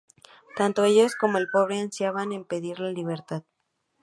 Tanto ellos como el pobre ansiaban y pedían libertad.